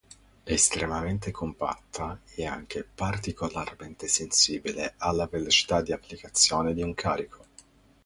Estremamente compatta e anche particolarmente sensibile alla velocità di applicazione di un carico.